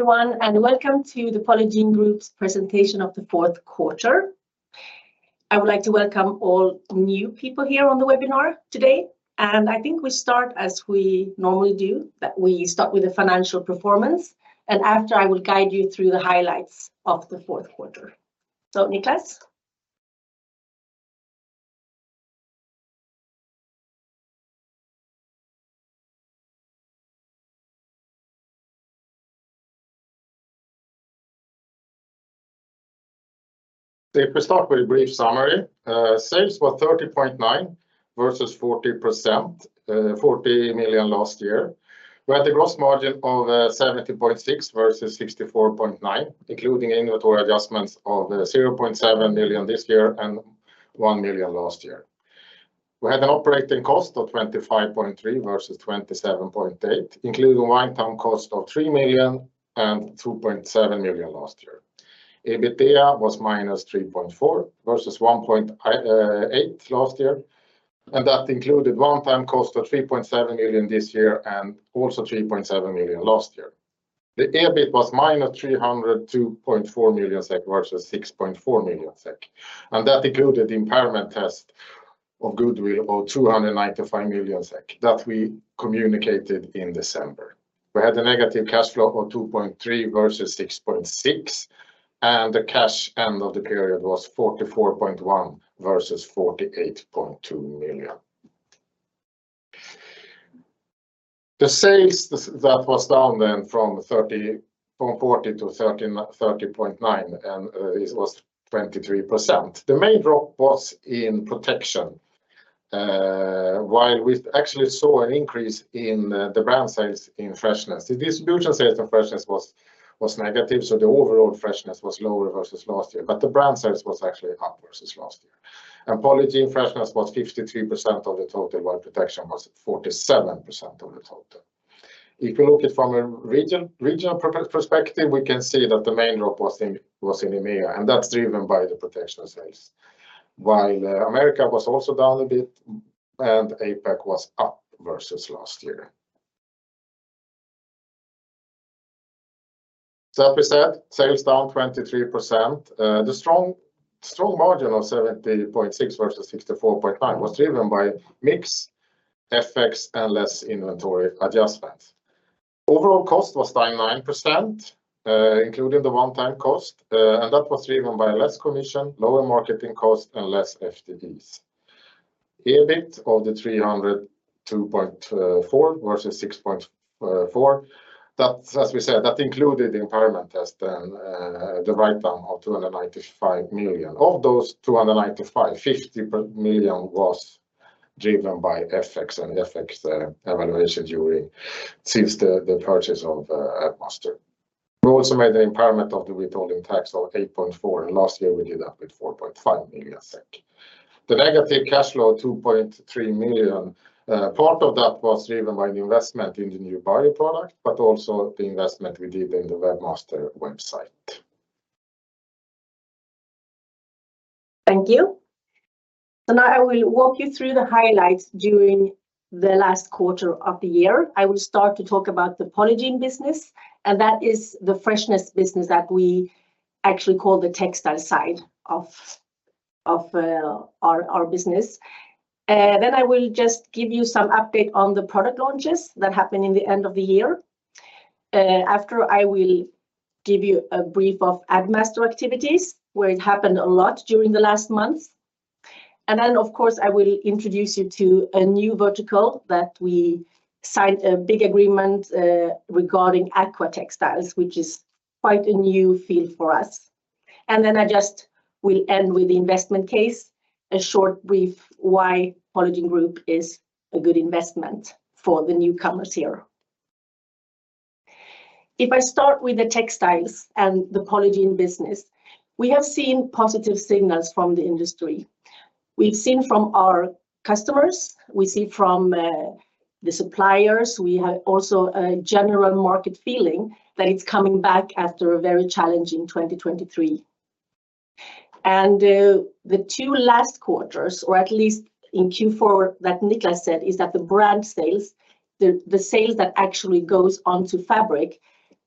Everyone, and welcome to the Polygiene Group's presentation of the Q4. I would like to welcome all new people here on the webinar today, and I think we start as we normally do, that we start with the financial performance, and after I will guide you through the highlights of the Q4. So, Niklas? So if we start with a brief summary, sales were 30.9 million versus 40 million last year. We had a gross margin of 70.6% versus 64.9%, including inventory adjustments of 0.7 million this year and 1 million last year. We had an operating cost of 25.3 million versus 27.8 million, including one-time cost of 3 million and 2.7 million last year. EBITDA was -3.4 million versus 1.8 million last year, and that included one-time cost of 3.7 million this year and also 3.7 million last year. The EBIT was -302.4 million SEK versus 6.4 million SEK, and that included the impairment test of goodwill of 295 million SEK that we communicated in December. We had a negative cash flow of 2.3 million versus 6.6 million, and the cash end of the period was 44.1 million versus 48.2 million. The sales that was down then from 40 to 30.9, and this was 23%. The main drop was in protection, while we actually saw an increase in the brand sales in freshness. The distribution sales in freshness was negative, so the overall freshness was lower versus last year, but the brand sales was actually up versus last year. Polygiene freshness was 53% of the total, while protection was 47% of the total. If we look at it from a regional perspective, we can see that the main drop was in EMEA, and that's driven by the protection sales, while Americas was also down a bit and APAC was up versus last year. So as we said, sales down 23%. The strong margin of 70.6 versus 64.9 was driven by mix, FX and less inventory adjustments. Overall cost was down 9%, including the one-time cost, and that was driven by less commission, lower marketing cost, and less FTEs. EBIT of -302.4 versus -6.4, that, as we said, that included the impairment test and the write-down of 295 million. Of those 295, 50 million was driven by FX and FX revaluation since the purchase of Addmaster. We also made an impairment of the withholding tax of 8.4 million, and last year we did that with 4.5 million SEK. The negative cash flow of 2.3 million, part of that was driven by the investment in the new bio product, but also the investment we did in the Addmaster website. Thank you. Now I will walk you through the highlights during the last quarter of the year. I will start to talk about the Polygiene business, and that is the freshness business that we actually call the textile side of our business. Then I will just give you some update on the product launches that happened in the end of the year. After, I will give you a brief of Addmaster activities, where it happened a lot during the last month. And then, of course, I will introduce you to a new vertical that we signed a big agreement regarding aquatextiles, which is quite a new field for us. Then I just will end with the investment case, a short brief why Polygiene Group is a good investment for the newcomers here. If I start with the textiles and the Polygiene business, we have seen positive signals from the industry. We've seen from our customers, we see from the suppliers, we have also a general market feeling that it's coming back after a very challenging 2023. And the 2 last quarters, or at least in Q4, that Niklas said is that the brand sales, the sales that actually goes onto fabric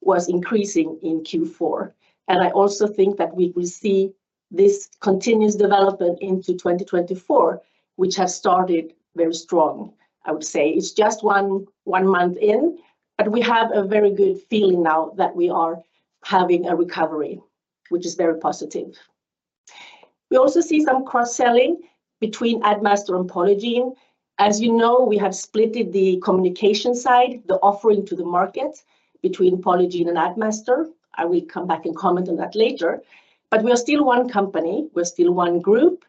was increasing in Q4. And I also think that we will see this continuous development into 2024, which has started very strong, I would say. It's just 1 month in, but we have a very good feeling now that we are having a recovery, which is very positive. We also see some cross-selling between Addmaster and Polygiene. As you know, we have split the communication side, the offering to the market, between Polygiene and Addmaster. I will come back and comment on that later. But we are still one company, we're still one group,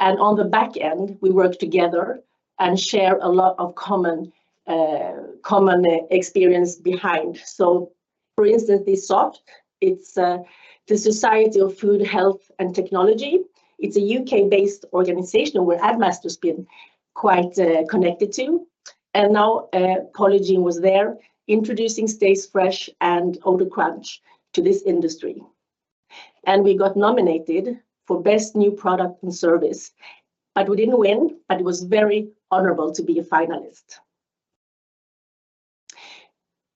and on the back end we work together and share a lot of common experience behind. So, for instance, this SOFHT, it's the Society of Food Hygiene and Technology. It's a UK-based organization where Addmaster's been quite connected to. And now Polygiene was there, introducing StayFresh and OdorCrunch to this industry. And we got nominated for Best New Product and Service, but we didn't win, but it was very honorable to be a finalist.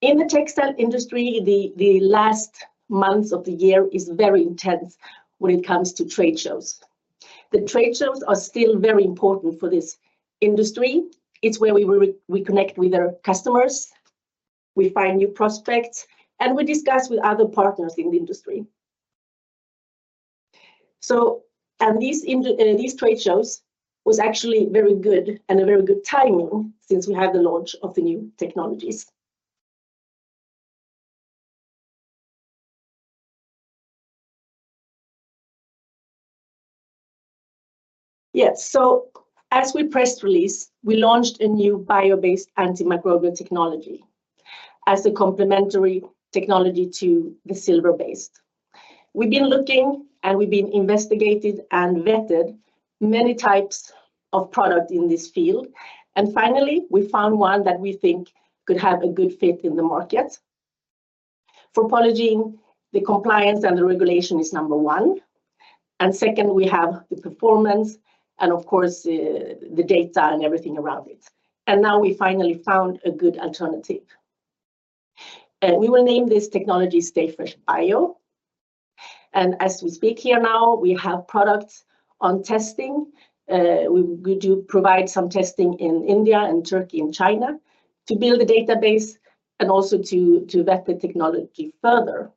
In the textile industry, the last months of the year is very intense when it comes to trade shows. The trade shows are still very important for this industry. It's where we connect with our customers, we find new prospects, and we discuss with other partners in the industry. These trade shows were actually very good and a very good timing since we have the launch of the new technologies. Yes, so as we press release, we launched a new bio-based antimicrobial technology as a complementary technology to the silver-based. We've been looking and we've been investigating and vetted many types of product in this field, and finally we found one that we think could have a good fit in the market. For Polygiene, the compliance and the regulation is number 1. And second, we have the performance and, of course, the data and everything around it. And now we finally found a good alternative. We will name this technology StayFresh Bio. And as we speak here now, we have products on testing. We do provide some testing in India and Turkey and China to build the database and also to vet the technology further.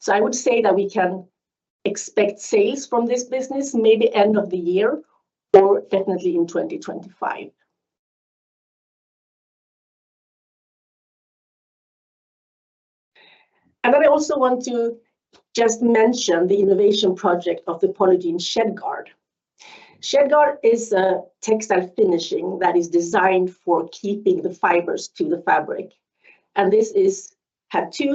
So I would say that we can expect sales from this business maybe end of the year or definitely in 2025. And then I also want to just mention the innovation project of the Polygiene ShedGuard. ShedGuard is a textile finishing that is designed for keeping the fibers to the fabric. And this had 2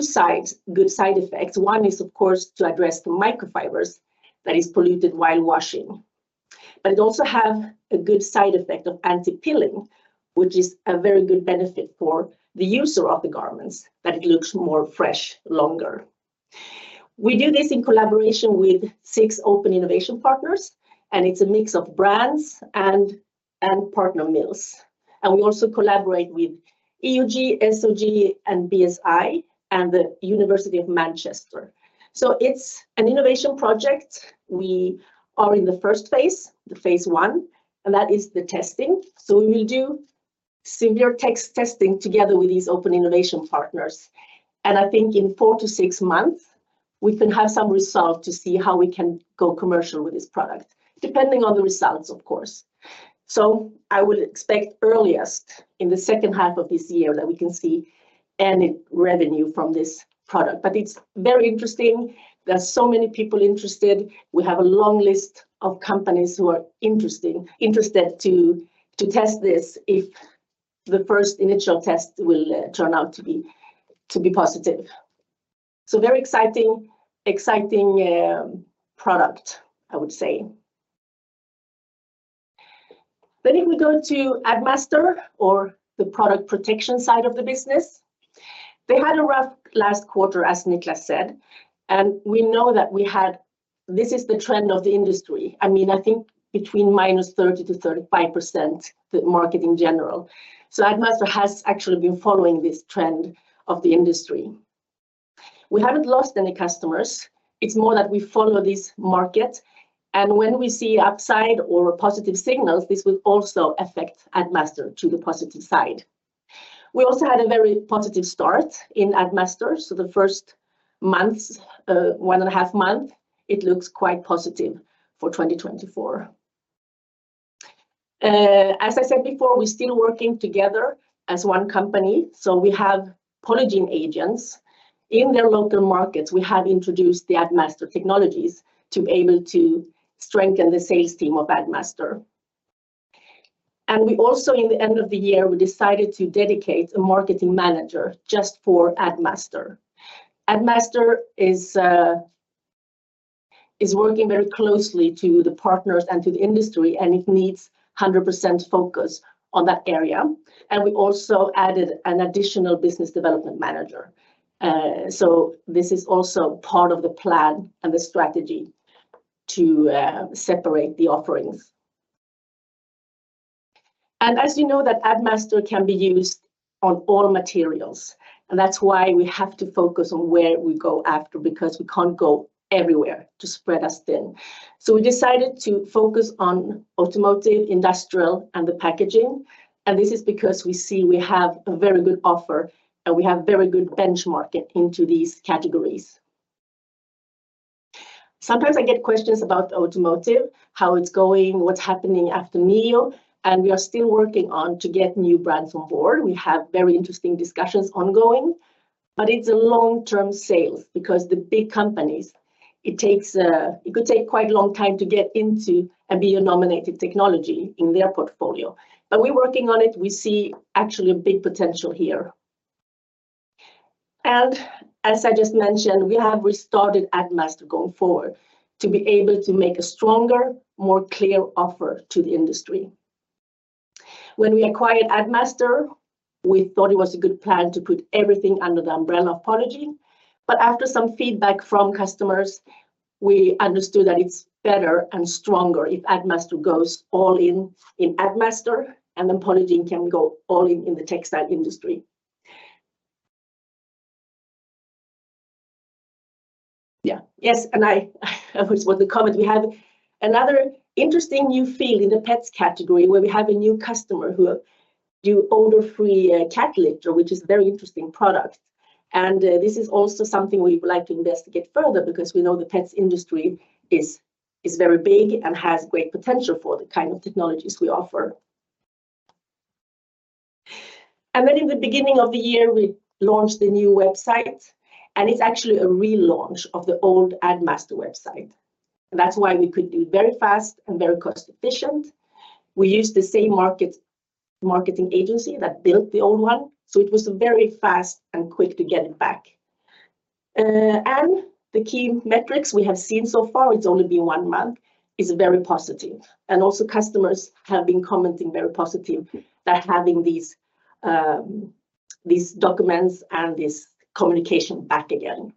good side effects. One is, of course, to address the microfibers that are polluted while washing. But it also has a good side effect of anti-pilling, which is a very good benefit for the user of the garments, that it looks more fresh longer. We do this in collaboration with 6 open innovation partners, and it's a mix of brands and partner mills. And we also collaborate with EOG, SOG, and BSI, and the University of Manchester. So it's an innovation project. We are in the first phase, the phase I, and that is the testing. So we will do textile testing together with these open innovation partners. I think in 4-6 months we can have some result to see how we can go commercial with this product, depending on the results, of course. So I would expect earliest in the H2 of this year that we can see any revenue from this product. But it's very interesting. There are so many people interested. We have a long list of companies who are interested to test this if the first initial test will turn out to be positive. So very exciting product, I would say. Then if we go to Addmaster or the product protection side of the business, they had a rough last quarter, as Niklas said, and we know that this is the trend of the industry. I mean, I think between -30% to -35%, the market in general. So Addmaster has actually been following this trend of the industry. We haven't lost any customers. It's more that we follow this market. And when we see upside or positive signals, this will also affect Addmaster to the positive side. We also had a very positive start in Addmaster. So the first months, 1 and a 1/2 months, it looks quite positive for 2024. As I said before, we're still working together as one company. So we have Polygiene agents. In their local markets, we have introduced the Addmaster technologies to be able to strengthen the sales team of Addmaster. We also, in the end of the year, we decided to dedicate a marketing manager just for Addmaster. Addmaster is working very closely to the partners and to the industry, and it needs 100% focus on that area. We also added an additional business development manager. This is also part of the plan and the strategy to separate the offerings. As you know, Addmaster can be used on all materials. That's why we have to focus on where we go after, because we can't go everywhere to spread us thin. We decided to focus on automotive, industrial, and the packaging. This is because we see we have a very good offer and we have very good benchmarking into these categories. Sometimes I get questions about the automotive, how it's going, what's happening after NIO, and we are still working on to get new brands on board. We have very interesting discussions ongoing. But it's a long-term sale because the big companies, it could take quite a long time to get into a beyond-nominated technology in their portfolio. But we're working on it. We see actually a big potential here. And as I just mentioned, we have restarted Addmaster going forward to be able to make a stronger, more clear offer to the industry. When we acquired Addmaster, we thought it was a good plan to put everything under the umbrella of Polygiene. But after some feedback from customers, we understood that it's better and stronger if Addmaster goes all in in Addmaster and then Polygiene can go all in in the textile industry. Yeah. Yes, and as was the comment. We have another interesting new field in the pets category where we have a new customer who do odor-free cat litter, which is a very interesting product. This is also something we would like to investigate further because we know the pets industry is very big and has great potential for the kind of technologies we offer. Then in the beginning of the year, we launched the new website, and it's actually a relaunch of the old Addmaster website. That's why we could do it very fast and very cost-efficient. We used the same marketing agency that built the old one, so it was very fast and quick to get it back. The key metrics we have seen so far, it's only been 1 month, is very positive. And also customers have been commenting very positive that having these documents and this communication back again.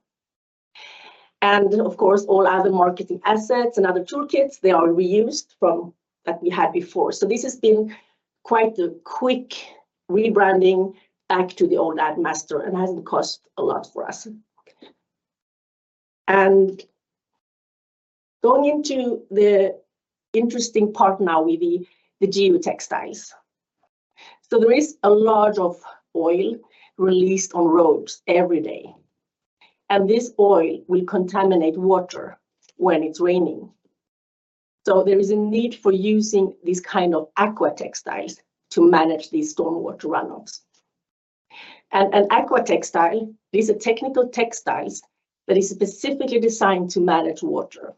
And of course, all other marketing assets and other toolkits, they are reused from that we had before. So this has been quite a quick rebranding back to the old Addmaster and hasn't cost a lot for us. And going into the interesting part now with the aquatextiles. So there is a large amount of oil released on roads every day. And this oil will contaminate water when it's raining. So there is a need for using these kinds of aquatextiles to manage these stormwater runoffs. And an aqua textile, these are technical textiles that are specifically designed to manage water.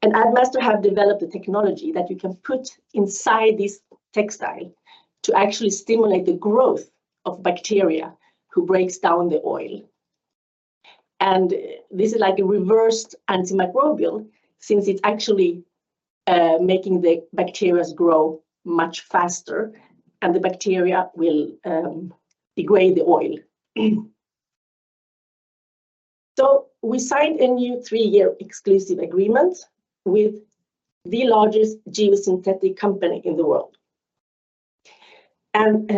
And Addmaster have developed the technology that you can put inside this textile to actually stimulate the growth of bacteria who break down the oil. This is like a reversed antimicrobial since it's actually making the bacteria grow much faster, and the bacteria will degrade the oil. We signed a new 3-year exclusive agreement with the largest geosynthetic company in the world. And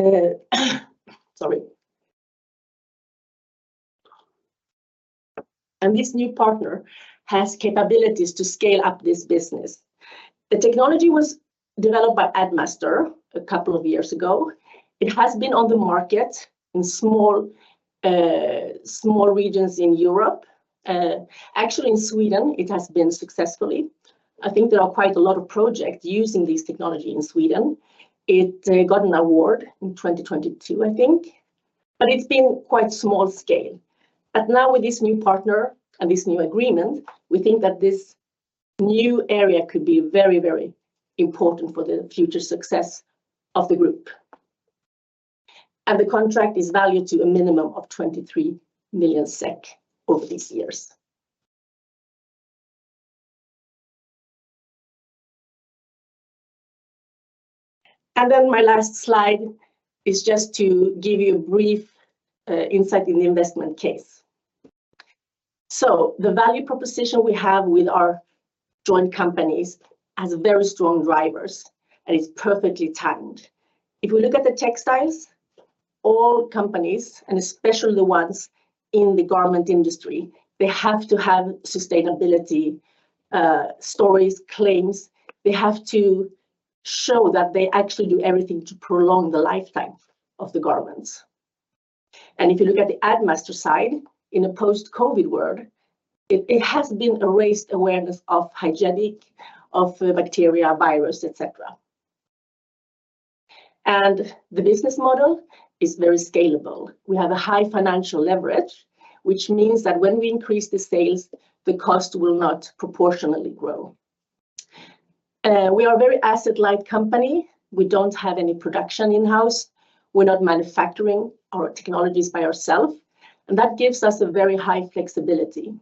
sorry. This new partner has capabilities to scale up this business. The technology was developed by Addmaster a couple of years ago. It has been on the market in small regions in Europe. Actually, in Sweden, it has been successfully. I think there are quite a lot of projects using this technology in Sweden. It got an award in 2022, I think. But it's been quite small scale. But now with this new partner and this new agreement, we think that this new area could be very, very important for the future success of the group. The contract is valued to a minimum of 23 million SEK over these years. Then my last slide is just to give you a brief insight in the investment case. The value proposition we have with our joint companies has very strong drivers, and it's perfectly timed. If we look at the textiles, all companies, and especially the ones in the garment industry, they have to have sustainability stories, claims. They have to show that they actually do everything to prolong the lifetime of the garments. And if you look at the Addmaster side in a post-COVID world, it has been a raised awareness of hygienic, of bacteria, virus, etc. And the business model is very scalable. We have a high financial leverage, which means that when we increase the sales, the cost will not proportionally grow. We are a very asset-light company. We don't have any production in-house. We're not manufacturing our technologies by ourselves. That gives us a very high flexibility.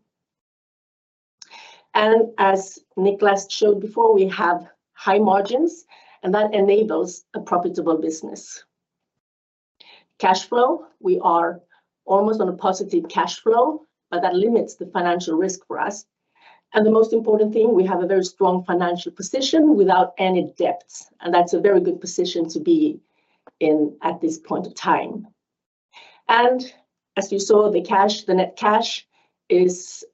As Niklas showed before, we have high margins, and that enables a profitable business. Cash flow, we are almost on a positive cash flow, but that limits the financial risk for us. The most important thing, we have a very strong financial position without any debts. That's a very good position to be in at this point of time. As you saw, the cash, the net cash,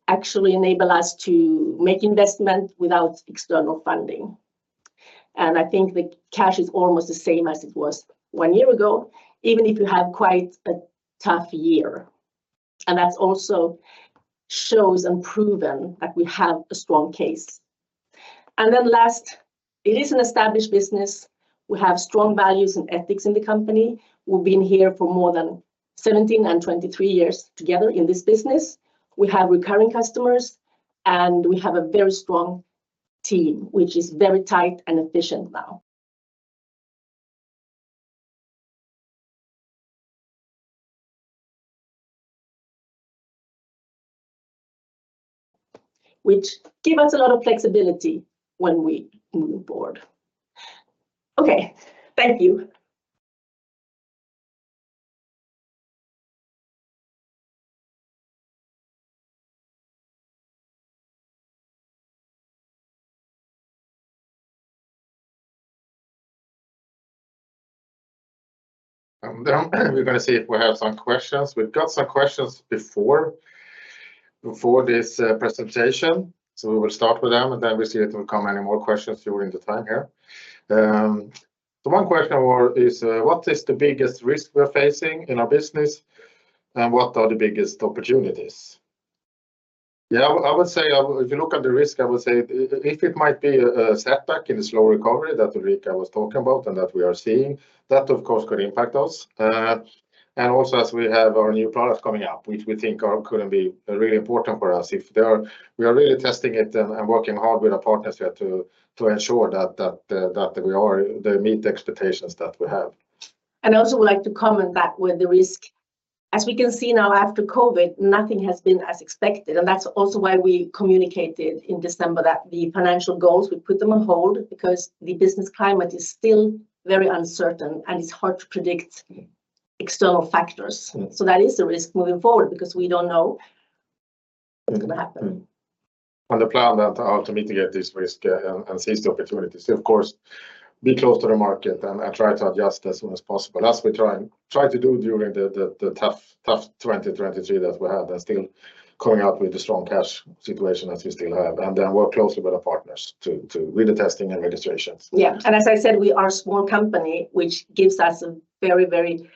actually enables us to make investments without external funding. I think the cash is almost the same as it was 1 year ago, even if you have quite a tough year. That also shows and proves that we have a strong case. Then last, it is an established business. We have strong values and ethics in the company. We've been here for more than 17 and 23 years together in this business. We have recurring customers, and we have a very strong team, which is very tight and efficient now, which gives us a lot of flexibility when we move on board. Okay. Thank you. We're going to see if we have some questions. We've got some questions before this presentation. So we will start with them, and then we'll see if there will come any more questions during the time here. So one question is, what is the biggest risk we are facing in our business, and what are the biggest opportunities? Yeah, I would say if you look at the risk, I would say if it might be a setback in the slow recovery that Ulrika was talking about and that we are seeing, that, of course, could impact us. And also as we have our new product coming up, which we think could be really important for us. We are really testing it and working hard with our partners here to ensure that we meet the expectations that we have. I also would like to comment that with the risk. As we can see now after COVID, nothing has been as expected. That's also why we communicated in December that the financial goals, we put them on hold because the business climate is still very uncertain and it's hard to predict external factors. That is a risk moving forward because we don't know what's going to happen. Our plan then to mitigate this risk and seize the opportunities to, of course, be close to the market and try to adjust as soon as possible, as we try to do during the tough 2023 that we had and still coming out with the strong cash situation that we still have, and then work closely with our partners to do the testing and registrations. Yeah. And as I said, we are a small company, which gives us a very, very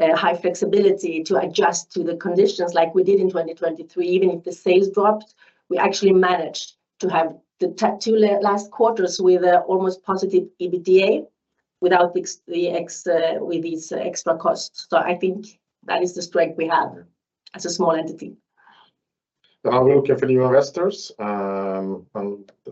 high flexibility to adjust to the conditions like we did in 2023. Even if the sales dropped, we actually managed to have the 2 last quarters with almost positive EBITDA without these extra costs. So I think that is the strength we have as a small entity. Are we looking for new investors? And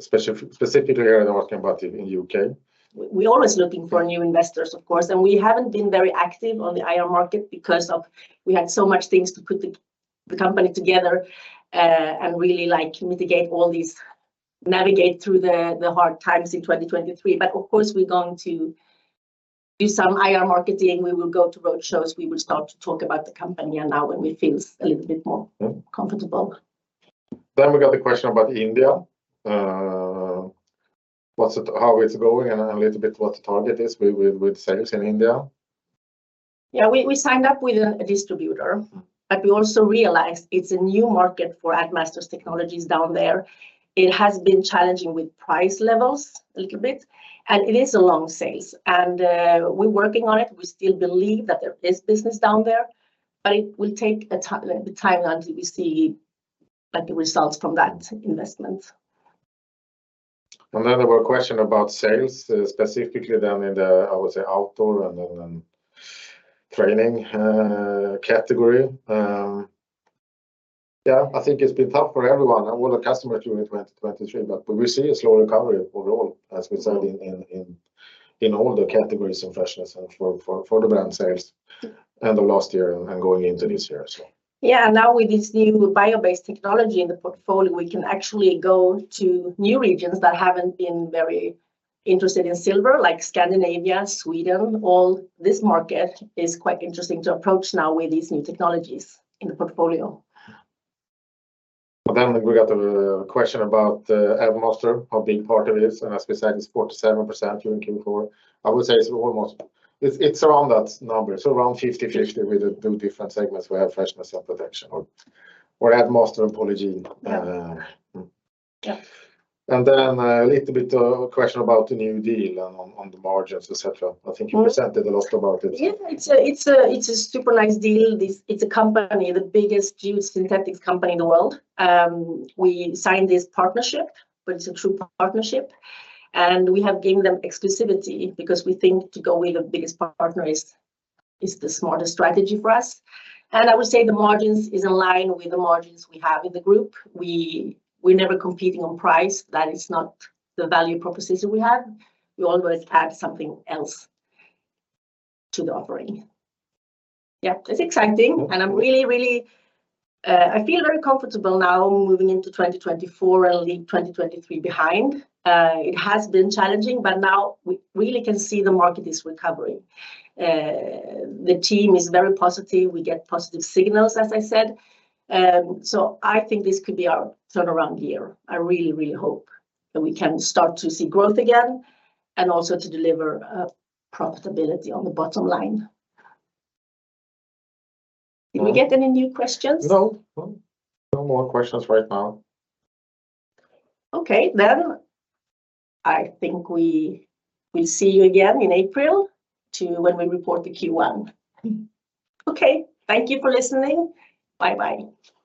specifically here, I'm talking about in the U.K. We're always looking for new investors, of course. We haven't been very active on the IR market because we had so much things to put the company together and really mitigate all these, navigate through the hard times in 2023. Of course, we're going to do some IR marketing. We will go to road shows. We will start to talk about the company now when we feel a little bit more comfortable. We got the question about India. How it's going and a little bit what the target is with sales in India. Yeah, we signed up with a distributor. But we also realized it's a new market for Addmaster's technologies down there. It has been challenging with price levels a little bit, and it is a long sale. And we're working on it. We still believe that there is business down there, but it will take time until we see the results from that investment. And then there were questions about sales, specifically then in the, I would say, outdoor and then training category. Yeah, I think it's been tough for everyone, all the customers during 2023, but we see a slow recovery overall, as we said, in all the categories and freshness and for the brand sales end of last year and going into this year, so. Yeah. Now with this new bio-based technology in the portfolio, we can actually go to new regions that haven't been very interested in silver, like Scandinavia, Sweden. This market is quite interesting to approach now with these new technologies in the portfolio. Then we got a question about Addmaster, how big part of it is. And as we said, it's 47% during Q4. I would say it's almost around that number. It's around 50-50 with the two different segments we have, freshness and protection, or Addmaster and Polygiene. And then a little bit of question about the new deal and on the margins, etc. I think you presented a lot about it. Yeah, it's a super nice deal. It's a company, the biggest geosynthetics company in the world. We signed this partnership, but it's a true partnership. We have given them exclusivity because we think to go with the biggest partner is the smartest strategy for us. I would say the margins are in line with the margins we have in the group. We're never competing on price. That is not the value proposal we have. We always add something else to the offering. Yeah, it's exciting. I'm really, really I feel very comfortable now moving into 2024 and leave 2023 behind. It has been challenging, but now we really can see the market is recovering. The team is very positive. We get positive signals, as I said. I think this could be our turnaround year. I really, really hope that we can start to see growth again and also to deliver profitability on the bottom line. Did we get any new questions? No. No more questions right now. Okay. Then I think we'll see you again in April when we report the Q1. Okay. Thank you for listening. Bye-bye.